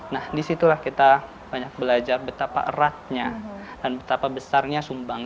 nah disitulah kita banyak belajar betapa eratnya dan betapa besarnya sumbang